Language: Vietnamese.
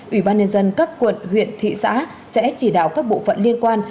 ủy ban nhân dân các quận huyện thị xã sẽ chỉ đạo các bộ phận liên quan